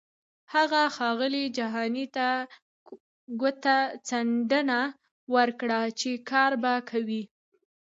هغه ښاغلي جهاني ته کوتڅنډنه وکړه چې کار به کوي.